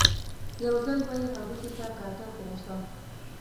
یو ځل به یې هډوکي ته کاته په غوسه.